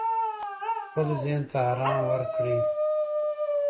خپل ذهن ته آرام ورکړئ.